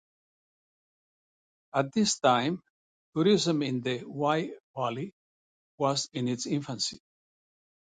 At this time, tourism in the Wye Valley was in its infancy.